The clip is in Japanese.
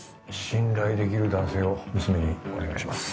信頼できる男性を娘にお願いします